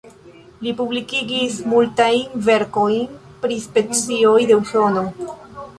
Li publikigis multajn verkojn pri specioj de Usono.